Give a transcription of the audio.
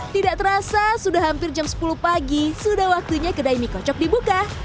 tidak terasa sudah hampir jam sepuluh pagi sudah waktunya kedai mie kocok dibuka